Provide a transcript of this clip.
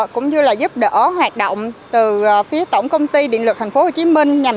cũng như giúp đỡ hoạt động từ phía tổng công ty điện lực tp hcm